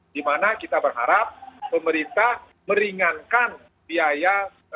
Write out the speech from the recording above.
dimana kita berharap pemerintah meringankan biaya